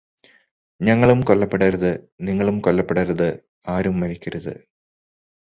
ഞങ്ങളും കൊല്ലപ്പെടരുത്, നിങ്ങളും കൊല്ലപ്പെടരുത്, ആരും മരിക്കരുത്